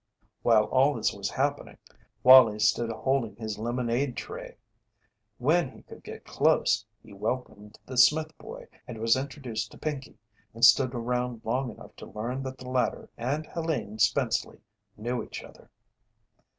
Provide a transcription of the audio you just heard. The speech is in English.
While all this was happening Wallie stood holding his lemonade tray. When he could get close, he welcomed the Smith boy and was introduced to Pinkey, and stood around long enough to learn that the latter and Helene Spenceley knew each other.